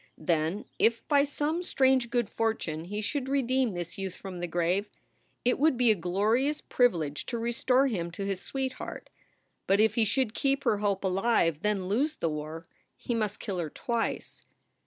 Then if by some strange good fortune he should redeem this youth from the grave, it would be a glorious privilege to restore him to his sweetheart. But if he should keep her hope alive, then lose the war, he must kill her twice.